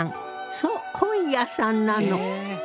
そう本屋さんなの！